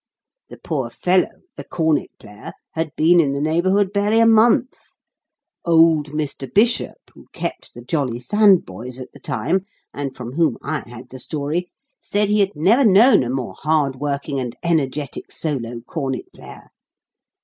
The poor fellow, the cornet player, had been in the neighbourhood barely a month. Old Mr. Bishop, who kept the 'Jolly Sand Boys' at the time, and from whom I had the story, said he had never known a more hard working and energetic solo cornet player.